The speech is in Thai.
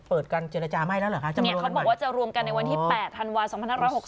เปิดการเจรจาไม่แล้วเหรอคะเนี่ยเขาบอกว่าจะรวมกันในวันที่๘ธันวา๒๕๖๖